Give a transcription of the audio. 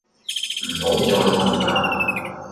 唔好再問呀